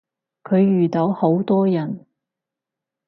佢遇到好多人